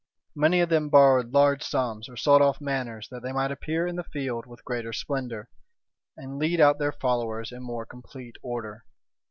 Many of them borrowed large sums, or sold off manors, that they might appear in the field with greater splendor, and lead out their followers in more complete order.